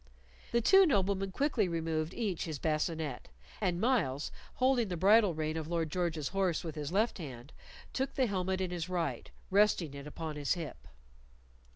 The two noblemen quickly removed each his bascinet, and Myles, holding the bridle rein of Lord George's horse with his left hand, took the helmet in his right, resting it upon his hip.